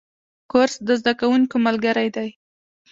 کورس د زده کوونکو ملګری دی.